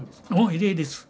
異例です。